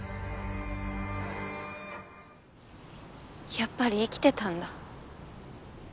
やっぱり生きてたんだ。